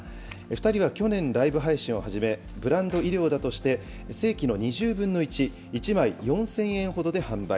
２人は去年、ライブ配信を始め、ブランド衣料だとして、正規の２０分の１、１枚４０００円ほどで販売。